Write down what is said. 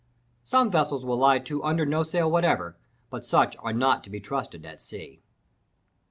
Some vessels will lie to under no sail whatever, but such are not to be trusted at sea.